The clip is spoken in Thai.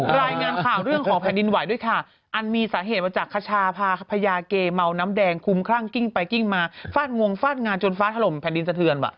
รายงานข่าวเรื่องของแผ่นดินไหวด้วยค่ะอันมีสาเหตุมาจากคชาพาพญาเกเมาน้ำแดงคุ้มคลั่งกิ้งไปกิ้งมาฟาดงงฟาดงานจนฟ้าถล่มแผ่นดินสะเทือน